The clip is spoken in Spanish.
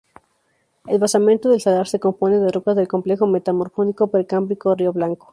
El basamento del salar se compone de rocas del complejo metamórfico precámbrico Río Blanco.